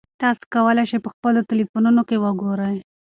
تاسي کولای شئ په خپلو ټیلیفونونو کې وګورئ.